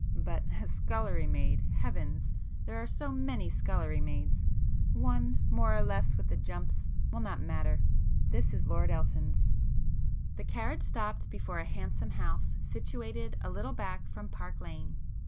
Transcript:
But—a scullery maid!—heavens!—there are so many scullery maids! One more or less with the 'jumps' will not matter. This is Lord Elton's." The carriage stopped before a handsome house situated a little back from Park Lane.